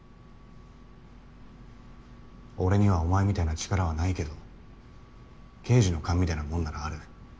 俺にはお前みたいな力はないけど刑事の勘みたいなもんならある。